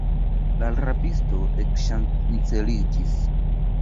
La rabisto ekŝanceliĝis.